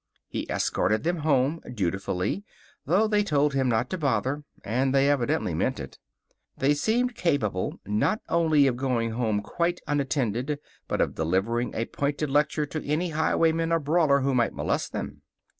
He escorted them home, dutifully, though they told him not to bother, and they evidently meant it. They seemed capable not only of going home quite unattended but of delivering a pointed lecture to any highwayman or brawler who might molest them.